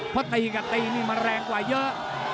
เพราะตีกับตีนี่มันแรงกว่าเยอะ